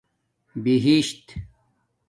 بہشت